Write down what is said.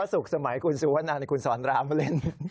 ดาวศุกร์สมัยคุณสุวรรณคุณสวรรณรามมาเล่น